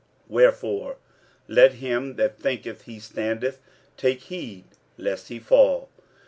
46:010:012 Wherefore let him that thinketh he standeth take heed lest he fall.